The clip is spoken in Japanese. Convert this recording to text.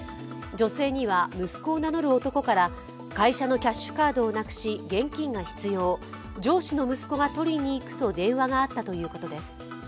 女性には息子を名乗る男から、会社のキャッシュカードをなくし現金が必要、上司の息子が取りに行くと電話があったということです。